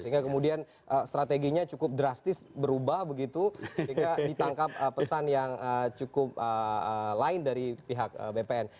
sehingga kemudian strateginya cukup drastis berubah begitu sehingga ditangkap pesan yang cukup lain dari pihak bpn